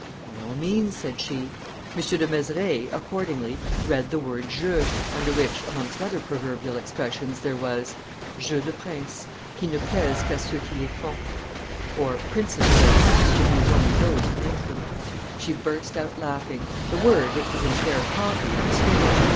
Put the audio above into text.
'By all means,' said she. M. de Mezeray, accordingly, read the word Jeux, under which, amongst other proverbial expressions, there was, 'Jeux de princes, qui ne plaisent qu'a ceux qui les font.' (Princes' jokes, which amuse only those who make them.) She burst out laughing. The word, which was in fair copy, was finished.